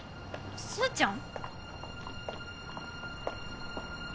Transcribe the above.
すーちゃん？